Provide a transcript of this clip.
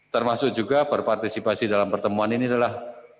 termasuk juga berpartisipasi dalam pertemuan ini adalah